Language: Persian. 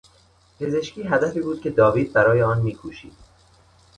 پزشکی هدفی بود که داوید برای آن میکوشید.